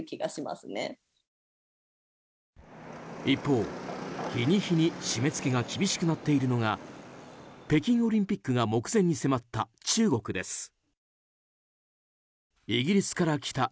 一方、日に日に締め付けが厳しくなっているのが北京オリンピックが目前に迫った中国です。